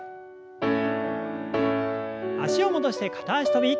脚を戻して片脚跳び。